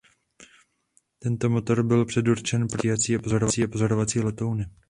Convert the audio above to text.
Tento motor byl předurčen pro rychlé stíhací a pozorovací letouny.